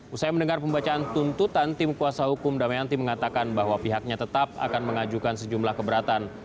usai mendengar pembacaan tuntutan tim kuasa hukum damayanti mengatakan bahwa pihaknya tetap akan mengajukan sejumlah keberatan